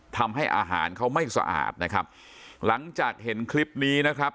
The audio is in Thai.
ทำให้อาหารเขาไม่สะอาดนะครับหลังจากเห็นคลิปนี้นะครับ